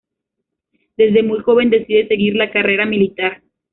Desde muy joven decide seguir la carrera militar.